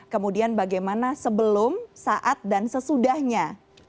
kemudian bagaimana sebelum saat dan sesudahnya